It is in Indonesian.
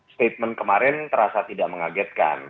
statement kemarin terasa tidak mengagetkan